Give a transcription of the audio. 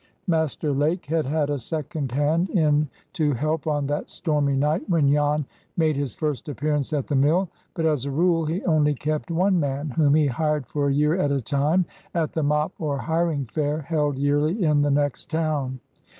Master Lake had had a second hand in to help on that stormy night when Jan made his first appearance at the mill; but as a rule he only kept one man, whom he hired for a year at a time, at the mop or hiring fair held yearly in the next town.